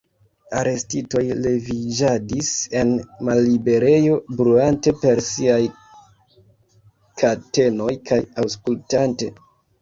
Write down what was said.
Arestitoj leviĝadis en malliberejo, bruante per siaj katenoj kaj aŭskultante.